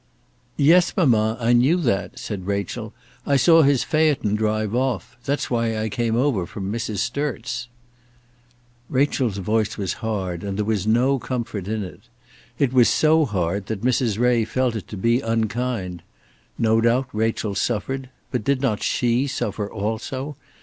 "Yes, mamma, I knew that," said Rachel. "I saw his phaeton drive off; that's why I came over from Mrs. Sturt's." Rachel's voice was hard, and there was no comfort in it. It was so hard that Mrs. Ray felt it to be unkind. No doubt Rachel suffered; but did not she suffer also?